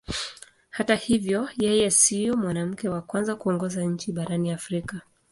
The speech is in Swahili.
Hata hivyo yeye sio mwanamke wa kwanza kuongoza nchi barani Afrika.